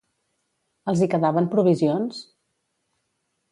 Els hi quedaven provisions?